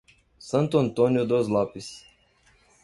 Santo Antônio dos Lopes